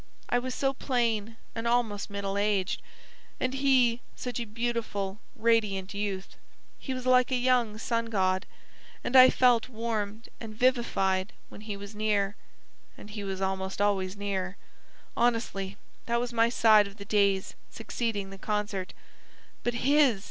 I was so plain and almost middle aged; and he, such a beautiful, radiant youth. He was like a young sun god, and I felt warmed and vivified when he was near; and he was almost always near. Honestly, that was my side of the days succeeding the concert. But HIS!